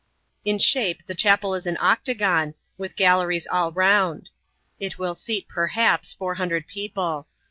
In shape, the chapel is an octagon, with galleries all round. It will seat, perhaps, four hundred people.